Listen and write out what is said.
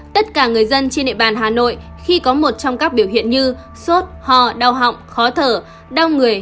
tất cả người dân trên địa bàn hà nội khi có một trong các biểu hiện như sốt ho đau họng khó thở đau người